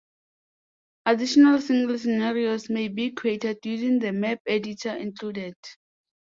Additional single scenarios may be created using the map editor included.